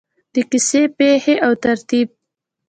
د کیسې پیښې او ترتیب: